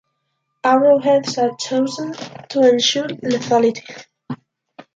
Arrowheads are chosen to ensure lethality.